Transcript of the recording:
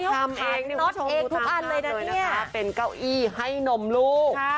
ทำเองทุกอัสเลยนะเป็นเก้าอี้ให้นมลูก